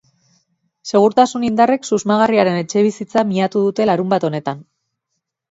Segurtasun indarrek susmagarriaren etxebizitza miatu dute larunbat honetan.